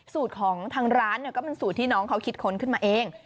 สูตรของทางร้านก็เป็นสูตรที่น้องเขาคิดค้นขึ้นมาเอง